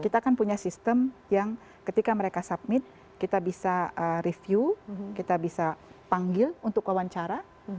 kita kan punya sistem yang ketika mereka submit kita bisa review kita bisa panggil untuk wawancara